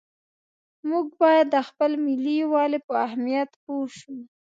موږ باید د خپل ملي یووالي په اهمیت پوه شو.